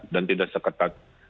dan tidak seketat